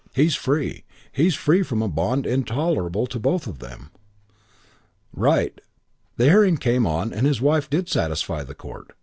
He's free: he's free from a bond intolerable to both of them.' "Right. The hearing came on and his wife did satisfy the Court.